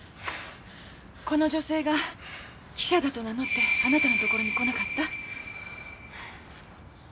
この女性が記者だと名乗ってあなたの所に来なかった？